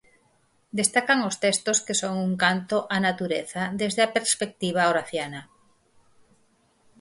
Destacan os textos que son un canto á natureza desde a perspectiva horaciana.